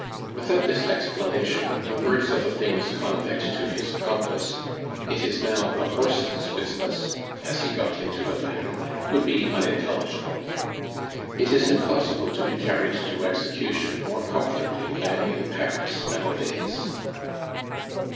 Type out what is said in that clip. Without this explanation the words of a famous convict to his accomplice, "It is now the horse's business!" as he got into the van, would be unintelligible. It is impossible to be carried to execution more comfortably than in Paris nowadays.